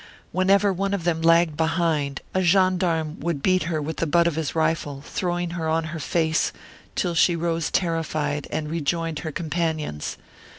^ Whenever one of them lagged behind, a gendarme would beat her with the butt of his rifle, throwing her on her face, till she rose terrified and rejoined her companions.